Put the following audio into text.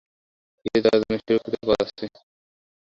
ভিতরে যাওয়ার একটাই সুরক্ষিত পথ আছে।